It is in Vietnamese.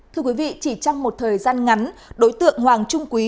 thưa quý vị chỉ trong một thời gian ngắn đối tượng hoàng trung quý